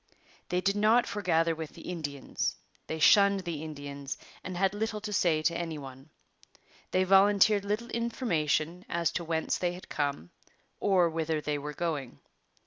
They did not forgather with the Indians. They shunned the Indians and had little to say to any one. They volunteered little information as to whence they had come or whither they were going.